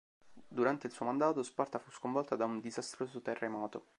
Durante il suo mandato, Sparta fu sconvolta da un disastroso terremoto.